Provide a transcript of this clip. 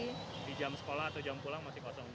di jam sekolah atau jam pulang masih kosong